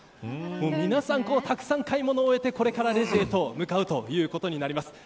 皆さん、たくさん買い物を経てこれからレジへと向かうということになります。